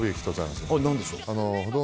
何でしょう？